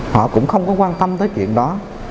họ cũng không có quan tâm tới chuyện đó